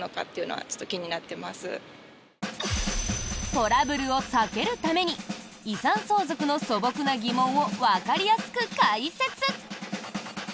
トラブルを避けるために遺産相続の素朴な疑問をわかりやすく解説。